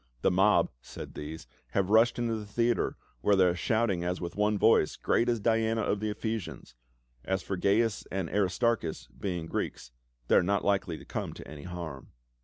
"The mob," said these, " have rushed into the theatre, where they are shout ing as with one voice, ' Great is Diana of the Ephe sians !' As for Gains and Aristarchus, being Greeks, they are not likely to come to any harm."